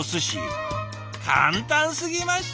簡単すぎました。